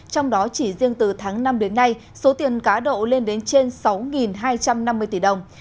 trong đó chỉ riêng từ tháng năm đến nay số tiền cá độ lên đến trên sáu hai trăm năm mươi tỷ đồng